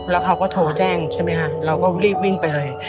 แล้วเขาก็โทรแจ้งใช่ไหมคะเราก็รีบวิ่งไปเลย